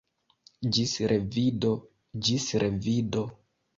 Ĝis revido; ĝis revido!